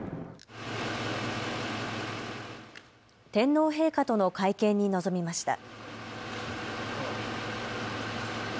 天皇陛下との会見に臨みました。